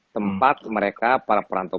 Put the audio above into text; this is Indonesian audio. tempat mereka para perantau